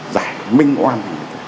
giải minh oan